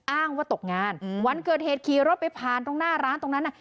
อ้างว่าตกงานวันเกิดเหตุขี่รถไปผ่านตรงหน้าร้านตรงนั้นน่ะ